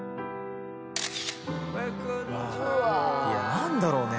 何だろうね